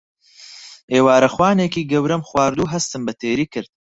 ئێوارەخوانێکی گەورەم خوارد و هەستم بە تێری کرد.